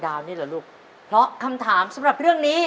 ดาวประจำเมือง